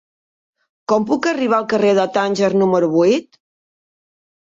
Com puc arribar al carrer de Tànger número vuit?